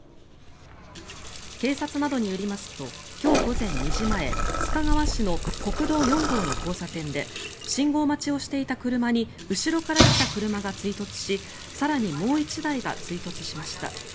警察などによりますと今日午前２時前須賀川市の国道４号の交差点で信号待ちをしていた車に後ろから来た車が追突し更にもう１台が追突しました。